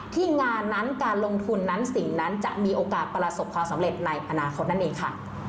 ที่งานนั้นการลงทุนนั้นสิ่งนั้นจะมีโอกาสประสบความสำเร็จในอนาคตนั่นเองค่ะ